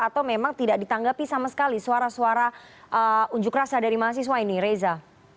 atau memang tidak ditanggapi sama sekali suara suara unjuk rasa dari mahasiswa ini reza